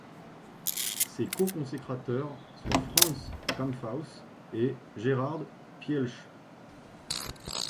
Ses co-consécrateurs sont Franz Kamphaus et Gerhard Pieschl.